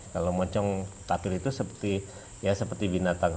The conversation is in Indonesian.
kalau moncong tapir itu ya seperti binatang